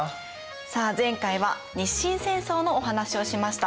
さあ前回は日清戦争のお話をしました。